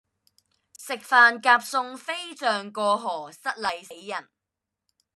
食飯夾餸飛象過河失禮死人